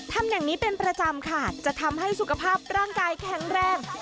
ทำอย่างนี้เป็นประจำค่ะจะทำให้สุขภาพร่างกายแข็งแรง